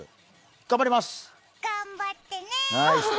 頑張ってね。